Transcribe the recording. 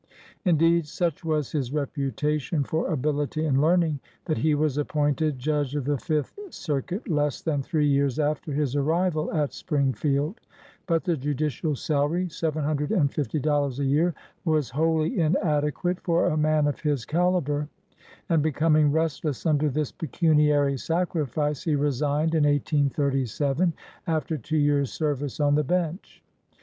Indeed, such was his reputation for ability and learning that he was appointed judge of the Fifth Circuit less than three years after his arrival at Springfield; but the judicial salary— seven hundred and fifty dollars a year 1 — was wholly inadequate for a man of his cali ber, and becoming restless under this pecuniary sacrifice, he resigned in 1837, after two years' service on the bench.